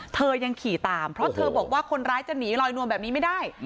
เธอยังขี่ตามเพราะเธอบอกว่าคนร้ายจะหนีลอยนวลแบบนี้ไม่ได้